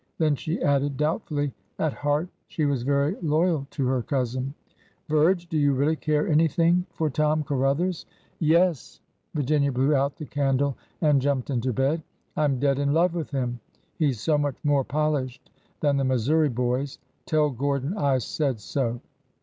Then she added doubtfully— at heart she was very loyal to her cousin: '' Virge, do you really care anything for Tom Ca ruthers ?" Yes !" Virginia blew out the candle and jumped into bed. " I 'm dead in love with him. He 's so much more polished than the Missouri boys. Tell Gordon I said so."